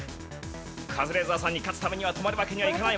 カズレーザーさんに勝つためには止まるわけにはいかない。